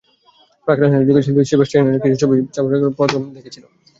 প্রাক-রেনেসাঁ যুগের শিল্পী সিবাস্টিয়ানোর কিছু ছবি সেবার ন্যাশনাল গ্যালারিতে প্রথম দেখিয়েছিল।